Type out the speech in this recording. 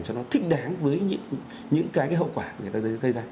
cho nó thích đáng với những cái hậu quả người ta gây ra